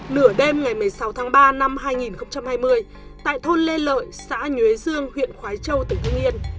nửa đêm ngày một mươi sáu tháng ba năm hai nghìn hai mươi tại thôn lê lợi xã nhuế dương huyện khói châu tỉnh hưng yên